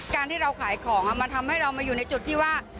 การที่เราขายของมันทำให้เรามาอยู่ในจุดที่ว่า